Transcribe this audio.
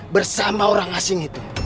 bersama orang asing itu